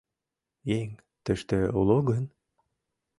Еҥ тыште уло гын?